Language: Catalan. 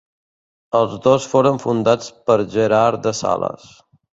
Els dos foren fundats per Gerard de Sales.